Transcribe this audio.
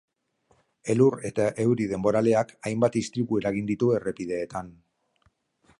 Elur eta euri denboraleak hainbat istripu eragin ditu errepideetan.